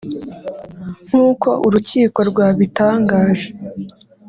nk’uko urukiko rwabitangaje